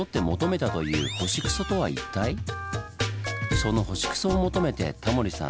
その星糞を求めてタモリさん